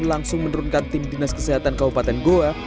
langsung menurunkan tim dinas kesehatan kabupaten goa